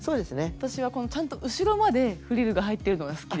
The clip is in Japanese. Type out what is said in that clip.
私はこのちゃんと後ろまでフリルが入ってるのが好きです。